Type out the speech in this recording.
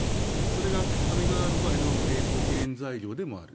それがアメリカ側の懸念材料でもある。